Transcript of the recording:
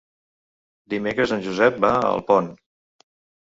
Dimecres en Josep va a Alpont.